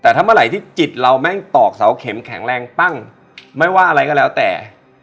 แต่ถ้าเมื่อไหร่ที่จิตเราแม่งตอกเสาเข็มแข็งแรงปั้งไม่ว่าอะไรก็แล้วแต่